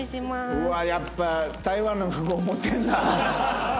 うわやっぱ台湾の富豪モテるな。